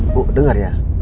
bu denger ya